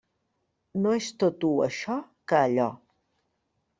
No és tot u això que allò.